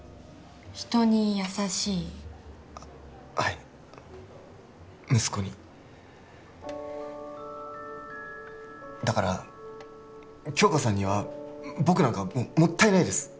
人に優しいはい息子にだから杏花さんには僕なんかもったいないです